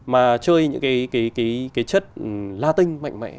mà chơi những cái chất latin mạnh mẽ